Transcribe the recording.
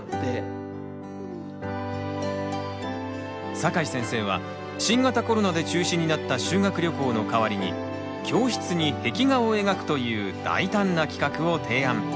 酒井先生は新型コロナで中止になった修学旅行の代わりに教室に壁画を描くという大胆な企画を提案。